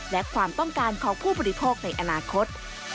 และความต้องการของผู้บริโภคในอนาคต